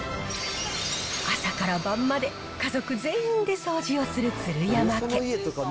朝から晩まで、家族全員で掃除をする鶴山家。